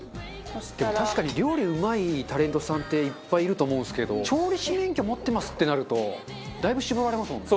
確かに料理うまいタレントさんっていっぱい、いると思うんですけど調理師免許持ってますってなるとだいぶ絞られますもんね。